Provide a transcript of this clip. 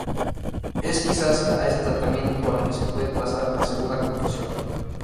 Es quizás a ese tratamiento al que se puede trazar la segunda confusión.